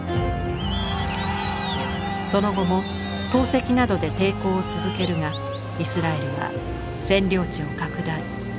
その後も投石などで抵抗を続けるがイスラエルは占領地を拡大。